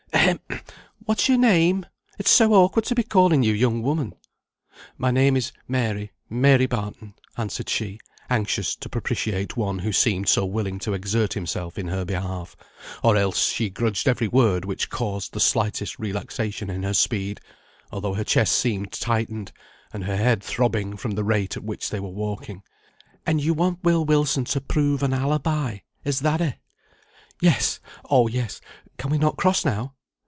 "Ahem! What's your name? It's so awkward to be calling you young woman." "My name is Mary, Mary Barton," answered she, anxious to propitiate one who seemed so willing to exert himself in her behalf, or else she grudged every word which caused the slightest relaxation in her speed, although her chest seemed tightened, and her head throbbing, from the rate at which they were walking. "And you want Will Wilson to prove an alibi is that it?" "Yes oh, yes can we not cross now?"